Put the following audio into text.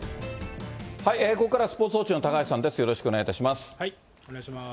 ここからはスポーツ報知の高橋さんです、お願いします。